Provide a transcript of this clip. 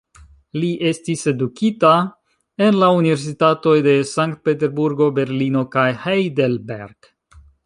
Li estis edukita en la universitatoj de Sankt-Peterburgo, Berlino kaj Heidelberg.